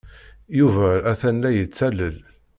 Yuba atan la yettalel.